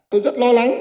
tôi rất lo lắng